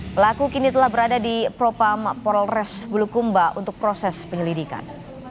pelaku kini telah berada di propam polres bulukumba untuk proses penyelidikan